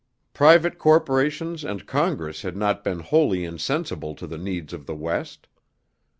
Private corporations and Congress had not been wholly insensible to the needs of the West.